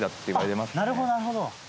なるほどなるほど。